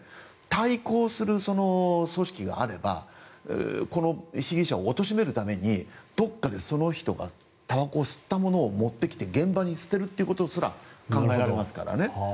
対抗する組織があればこの被疑者を貶めるためにどこかでその人がたばこを吸ったものを持ってきて現場に捨てるってことすら考えられますからね。